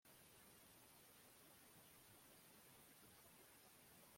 imana nyagasani nisingizwe